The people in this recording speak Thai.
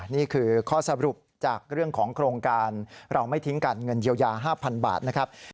นี่คือข้อสรุปจากเรื่องของโครงการเราไม่ทิ้งกันเงินเยียวยา๕๐๐๐บาทนะครับ